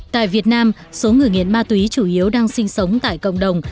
tại việt nam số người nghiện ma túy chủ yếu đang sinh sống tại cộng đồng